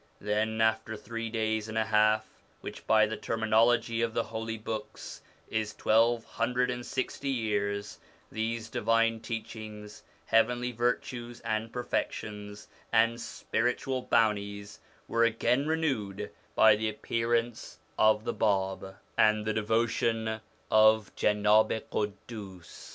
Then after three days and a half, which by the terminology of the Holy Books is twelve hundred and sixty years, these divine teachings, heavenly virtues, perfections and spiritual bounties, were again renewed by the appearance of the Bab and the devotion of Janabi Quddus.